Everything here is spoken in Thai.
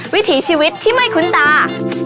วิถีชีวิตที่ไม่คุ้นตา